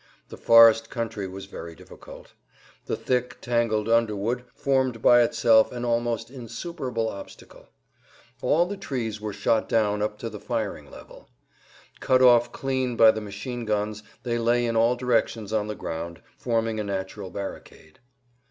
The forest country was very difficult. The thick, tangled underwood formed by itself an almost insuperable obstacle. All the trees were shot down up to the firing level. Cut off clean by the machine guns they lay in all directions on the ground, forming a natural barricade.